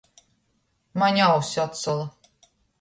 Maņ auss atsola.